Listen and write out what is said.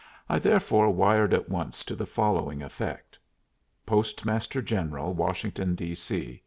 I therefore wired at once to the following effect: "Postmaster General, Washington, D. C.